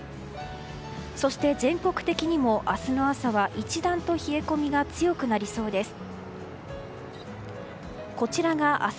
そして、全国的にも明日の朝は一段と冷え込みが強くなりそうです。